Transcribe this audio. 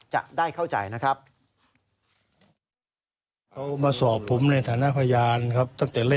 จะได้เข้าใจนะครับ